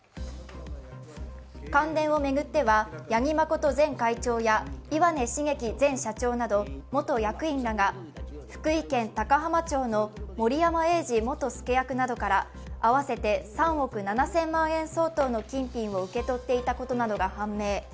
関電を巡っては、八木誠前会長や岩根茂樹前社長など元役員らが福井県高浜町の森山栄治元助役などから合わせて３億７０００万円相当の金品を受け取っていたことなどが判明。